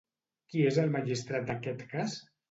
Qui és el magistrat d'aquest cas?